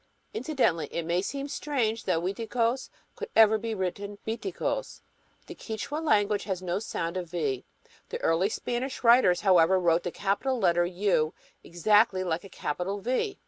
Incidentally, it may seem strange that Uiticos could ever be written "Biticos." The Quichua language has no sound of V. The early Spanish writers, however, wrote the capital letter U exactly like a capital V.